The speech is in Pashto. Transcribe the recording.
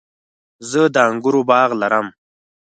زه د انګورو باغ لرم